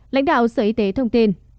lãnh đạo sở y tế thông tin